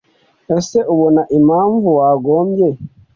Ese ubona impamvu wagombye